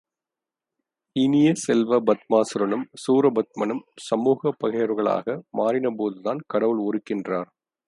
இனிய செல்வ, பத்மாசூரனும் சூரபதுமனும் சமூகப் பகைவர்களாக மாறின போதுதான் கடவுள் ஒறுக்கின்றார்!